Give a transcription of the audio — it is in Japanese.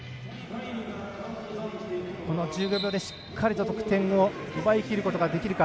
この１５秒でしっかりと得点を奪いきることができるか。